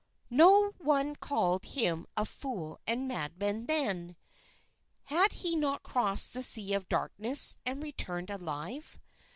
No one called him a fool and madman then. Had he not crossed the Sea of Darkness and returned alive?